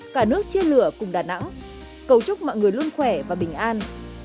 cả nước chia lửa cùng đà nẵng cầu chúc mọi người luôn khỏe và bình an